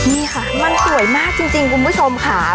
นี่ค่ะมันสวยมากจริงคุณผู้ชมค่ะ